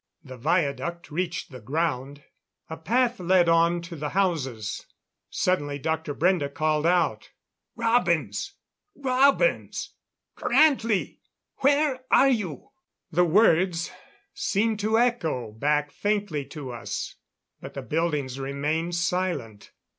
The viaduct reached the ground; a path led on to the houses. Suddenly Dr. Brende called out: "Robins! Robins! Grantley! Where are you!" The words seemed to echo back faintly to us; but the buildings remained silent.